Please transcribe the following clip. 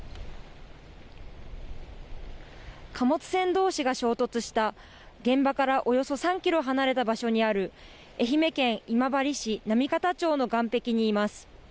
貨物船どうしが衝突した現場からおよそ３キロ離れた場所にある愛媛県今治市波方町の岸壁にいます。